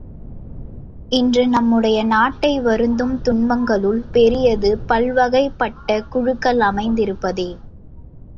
இன்று நம்முடைய நாட்டை வருத்தும் துன்பங்களுள் பெரியது பல்வகைப்பட்ட குழுக்கள் அமைந்திருப்பதே.